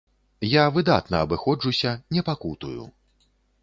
Я выдатна абыходжуся, не пакутую.